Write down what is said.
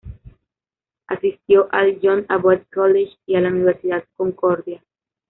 Asistió al John Abbott College y a la Universidad Concordia.